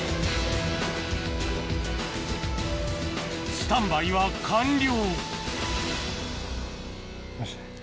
スタンバイは完了